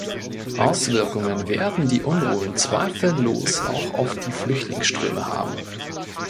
Auswirkungen werden die Unruhen zweifellos auch auf die Flüchtlingsströme haben.